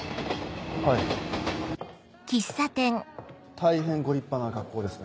大変ご立派な学校ですね。